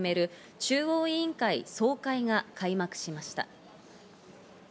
中央委員会総会が開幕しました。